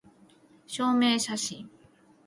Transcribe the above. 証明写真